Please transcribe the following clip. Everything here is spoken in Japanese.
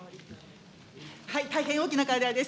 大変大きな課題です。